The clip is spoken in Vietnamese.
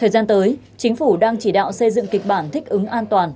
thời gian tới chính phủ đang chỉ đạo xây dựng kịch bản thích ứng an toàn